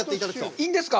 いいんですか？